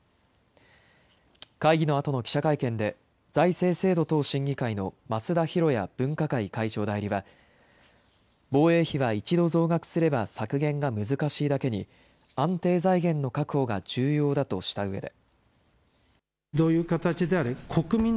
会議のあとの記者会見で、財政制度等審議会の増田寛也分科会会長代理は、防衛費は一度増額すれば削減が難しいだけに、安定財源の確保が重要だとしたうえで。